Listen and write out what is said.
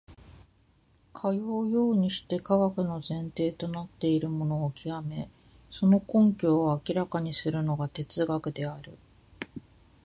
かようにして科学の前提となっているものを究め、その根拠を明らかにするのが哲学である。